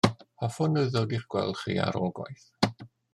Hoffwn i ddod i'ch gweld chi ar ôl gwaith.